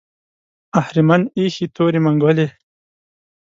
اهریمن ایښې تورې منګولې